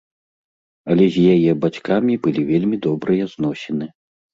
Але з яе бацькамі былі вельмі добрыя зносіны.